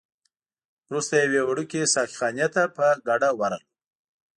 وروسته یوې وړوکي ساقي خانې ته په ګډه ورغلو.